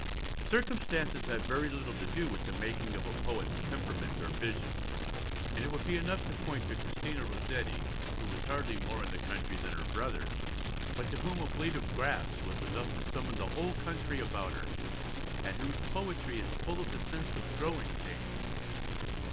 Circumstances have very little to do with the making of a poet's temperament or vision, and it would be enough to point to Christina Rossetti, who was hardly more in the country than her brother, but to whom a blade of grass was enough to summon the whole country about her, and whose poetry is full of the sense of growing things.